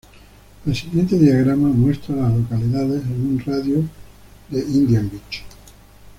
El siguiente diagrama muestra a las localidades en un radio de de Indian Beach.